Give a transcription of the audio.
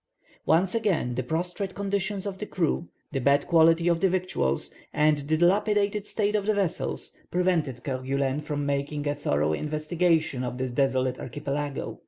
Once again, the prostrate condition of the crew, the bad quality of the victuals, and the dilapidated state of the vessels, prevented Kerguelen from making a thorough investigation of this desolate archipelago.